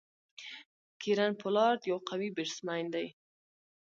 کیرن پولارډ یو قوي بيټسمېن دئ.